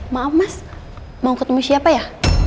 maaf mas mau ketemu siapa ya